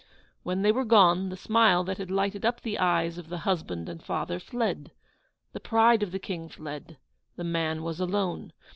When they were gone, the smile that had lighted up the eyes of the HUSBAND and FATHER fled the pride of the KING fled the MAN was alone.